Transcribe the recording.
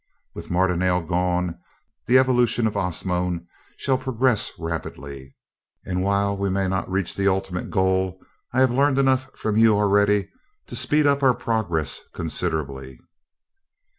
With Mardonale gone, the evolution of Osnome shall progress rapidly, and while we may not reach the Ultimate Goal, I have learned enough from you already to speed up our progress considerably."